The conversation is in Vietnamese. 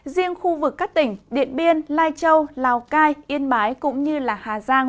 riêng khu vực các tỉnh điện biên lai châu lào cai yên bái cũng như hà giang